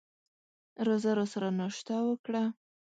راځه راسره ناشته وکړه !